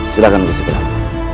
silakan gusir prabu